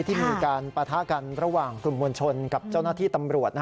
ที่มีการปะทะกันระหว่างกลุ่มมวลชนกับเจ้าหน้าที่ตำรวจ